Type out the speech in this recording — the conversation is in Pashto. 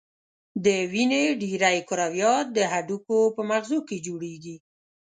د وینې ډېری کرویات د هډوکو په مغزو کې جوړیږي.